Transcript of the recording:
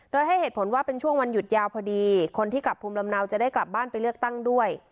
โดยให้เหตุผลว่าเป็นช่วงวันหยุดยาวพอดีคนที่กลับภูมิลำเนาจะได้กลับบ้านไปเลือกตั้งด้วย